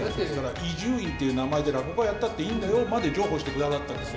伊集院っていう名前で落語家やったっていいんだよとまで譲歩してくださったんですよ。